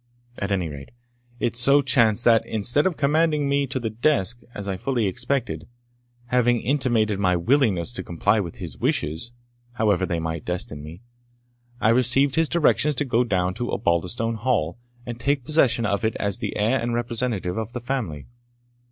At any rate, it so chanced, that, instead of commanding me to the desk, as I fully expected, having intimated my willingness to comply with his wishes, however they might destine me, I received his directions to go down to Osbaldistone Hall, and take possession of it as the heir and representative of the family.